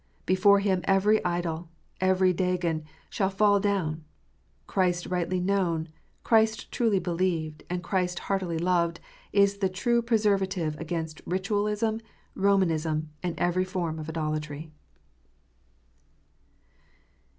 Before Him every idol, every Dagon shall fall down. CHRIST RIGHTLY KNOWN, CHRIST TRULY BELIEVED, AND CHRIST HEARTILY LOVED, IS THE TRUE PRESERVATIVE AGAINST RlTUALISM, ROMANISM AND EVERY FORM OF IDOLATRY.